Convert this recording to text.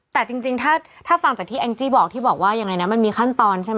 แต่จริงถ้าฟังจากที่แองจี้บอกที่บอกว่ายังไงนะมันมีขั้นตอนใช่ไหม